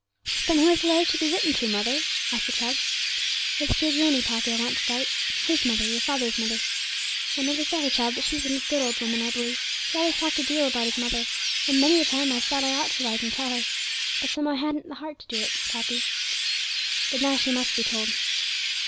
'Then who is the letter to be written to, mother?' asked the child. 'It's to your granny, Poppy, I want to write; his mother, your father's mother. I never saw her, child, but she's a good old woman, I believe; he always talked a deal about his mother, and many a time I've thought I ought to write and tell her, but somehow I hadn't the heart to do it, Poppy. But now she must be told.'